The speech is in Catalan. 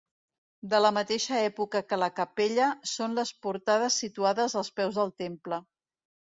De la mateixa època que la capella, són les portades situades als peus del temple.